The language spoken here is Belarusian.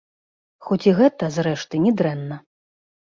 Хоць і гэта, зрэшты, не дрэнна.